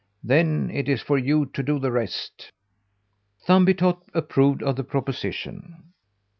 Then it is for you to do the rest." Thumbietot approved of the proposition.